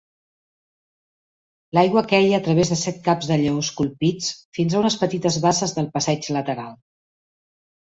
L'aigua queia a través de set caps de lleó esculpits fins a unes petites basses del passeig lateral.